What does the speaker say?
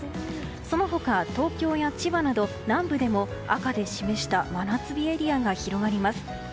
その他、東京や千葉など南部でも赤で示した真夏日エリアが広がります。